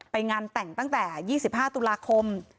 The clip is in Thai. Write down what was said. ไปงานแต่งตั้งแต่๒๕ตุลาคม